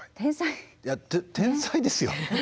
いや天才ですよ。